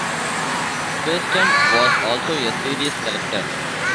Kirstein was also a serious collector.